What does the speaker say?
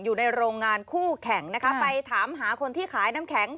อยู่ในโรงงานคู่แข่งนะคะไปถามหาคนที่ขายน้ำแข็ง